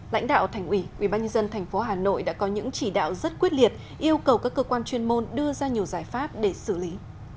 lãnh đạo thành ủy ubnd tp hà nội đã có những chỉ đạo rất quyết liệt yêu cầu các cơ quan chuyên môn đưa ra nhiều giải pháp để xử lý